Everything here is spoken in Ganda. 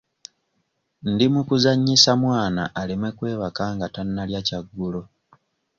Ndi mu kuzannyisa mwana aleme kwebaka nga tannalya kyaggulo.